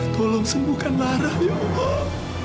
tolong sembuhkan marah ya allah